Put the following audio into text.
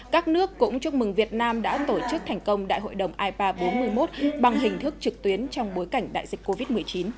các nước cũng chúc mừng việt nam đã tổ chức thành công đại hội đồng ipa bốn mươi một bằng hình thức trực tuyến trong bối cảnh đại dịch covid một mươi chín